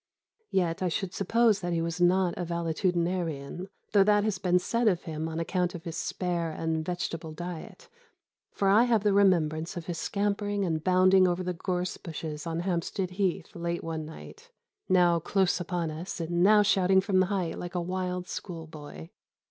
Yet I should suppose that he was not a valetudinarian, although that has been said of him on account of his spare and vegetable diet; for I have the remembrance of his scampering and bounding over the gorse bushes on Hampstead Heath late one night now close upon us, and now shouting from the height like a wild school boy.